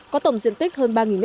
có tổng diện tích hơn ba m hai